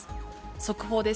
速報です。